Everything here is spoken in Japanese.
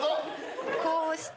こうして。